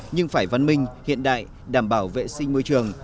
nhưng phải văn minh hiện đại đảm bảo vệ sinh môi trường